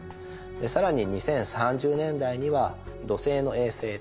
更に２０３０年代には土星の衛星タイタン。